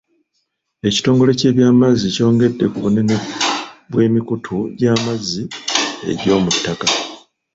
Ekitongole ky'ebyamazzi kyongedde ku bunene bw'emikutu gy'amazzi egy'omu ttaka.